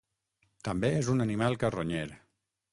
També és un animal carronyer.